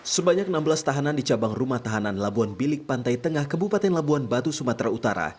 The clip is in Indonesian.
sebanyak enam belas tahanan di cabang rumah tahanan labuan bilik pantai tengah kebupaten labuan batu sumatera utara